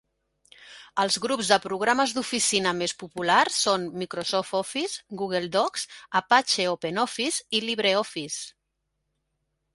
Els grups de programes d'oficina més populars són Microsoft Office, Google Docs, Apache OpenOffice, i LibreOffice.